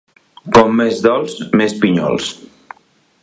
Com més dolç, més pinyols.